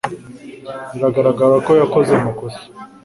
Biragaragara ko yakoze amakosa.